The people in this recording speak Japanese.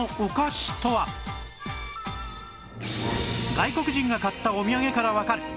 外国人が買ったお土産からわかる！